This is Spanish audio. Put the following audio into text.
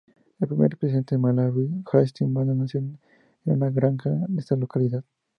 El primer presidente de Malawi, Hastings Banda nació en una granja de esta localidad.